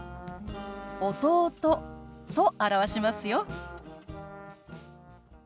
「弟」と表しますよ。